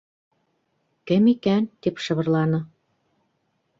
— Кем икән? — тип шыбырланы.